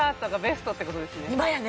今やね